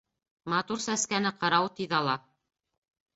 Матур сәскәне ҡырау тиҙ ала.